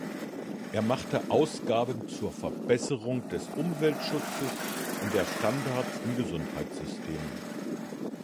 Er machte Ausgaben zur Verbesserung des Umweltschutzes und der Standards im Gesundheitssystem.